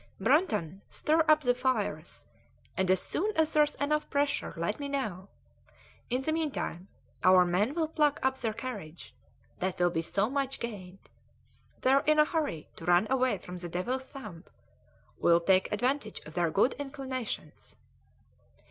"Brunton! stir up the fires, and as soon as there's enough pressure let me know. In the meantime our men will pluck up their courage that will be so much gained. They are in a hurry to run away from the Devil's Thumb; we'll take advantage of their good inclinations!"